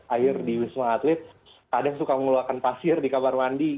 air di smartlit ada yang suka mengeluarkan pasir di kabar mandi